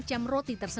menjual berat dan berat